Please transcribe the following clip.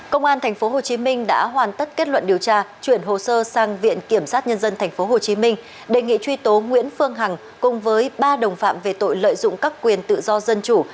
công an tp hcm đã hoàn tất kết luận điều tra chuyển hồ sơ sang viện kiểm sát nhân dân tp hcm đề nghị truy tố nguyễn phương hằng cùng với ba đồng phạm về tội lợi dụng các quyền tự do dân chủ